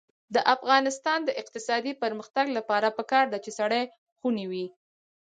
د افغانستان د اقتصادي پرمختګ لپاره پکار ده چې سړې خونې وي.